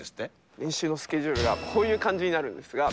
練習のスケジュールがこういう感じになるんですが。